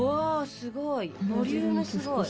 すごいボリュームすごい。